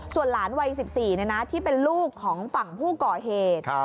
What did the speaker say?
ส่วนหลานวัยสิบสี่เนี้ยนะที่เป็นลูกของฝั่งผู้ก่อเหตุ